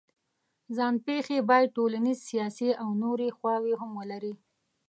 ځان پېښې باید ټولنیز، سیاسي او نورې خواوې هم ولري.